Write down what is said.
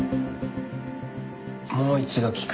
もう一度聞く。